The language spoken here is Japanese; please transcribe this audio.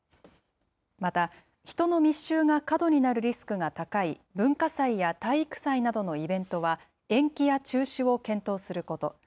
また、人の密集が過度になるリスクが高い文化祭や体育祭などのイベントは、延期や中止を検討すること。